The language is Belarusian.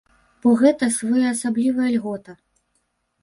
Бо гэта своеасаблівая льгота.